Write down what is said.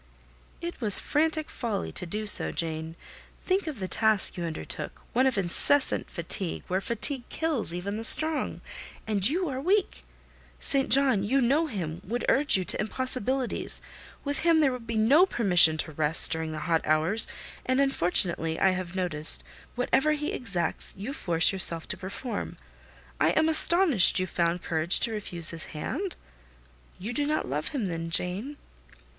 "It was frantic folly to do so, Jane. Think of the task you undertook—one of incessant fatigue, where fatigue kills even the strong, and you are weak. St. John—you know him—would urge you to impossibilities: with him there would be no permission to rest during the hot hours; and unfortunately, I have noticed, whatever he exacts, you force yourself to perform. I am astonished you found courage to refuse his hand. You do not love him then, Jane?"